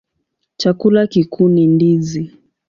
Chakula kikuu ni ndizi.